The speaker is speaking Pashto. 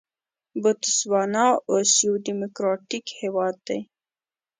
بوتسوانا اوس یو ډیموکراټیک هېواد دی.